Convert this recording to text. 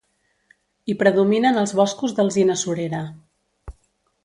Hi predominen els boscos d'alzina surera.